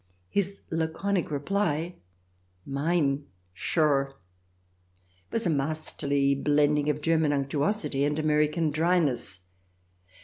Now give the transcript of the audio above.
His laconic reply, " Mine ! Sure !" was a masterly blending of German unctuosity and American dryness.